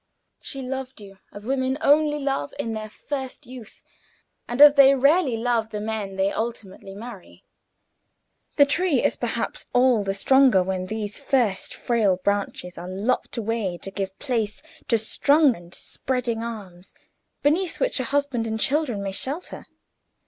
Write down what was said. She loved you as women only love in their first youth, and as they rarely love the men they ultimately marry. The tree is perhaps all the stronger when these first frail branches are lopped away to give place to strong and spreading arms, beneath which a husband and children may shelter.